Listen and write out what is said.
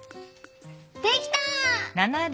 できた！